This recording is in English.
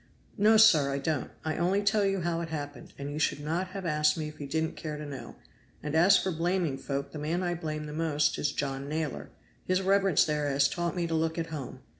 "No, sir, I don't. I only tell you how it happened, and you should not have asked me if you didn't care to know; and as for blaming folk, the man I blame the most is John Naylor. His reverence there has taught me to look at home.